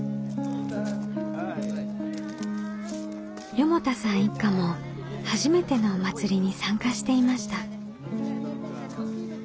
四方田さん一家も初めてのお祭りに参加していました。